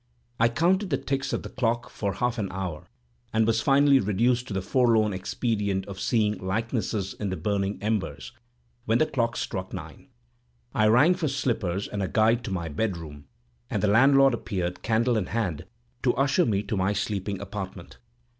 I counted the ticks of the clock for half an hour, and was finally reduced to the forlorn expedient of seeing likenesses in the burning embers. When the clock struck nine, I rang for slippers and a guide to my bed room, and the landlord appeared, candle in hand, to usher me to my sleeping apartment.